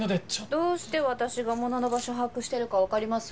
どうして私が物の場所把握してるか分かります？